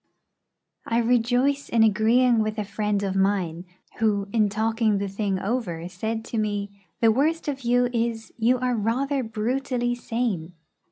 I rejoice in agreeing with a friend of mine, who, in talking the thing over, said to me, 'The worst of you is, you are rather brutally sane.'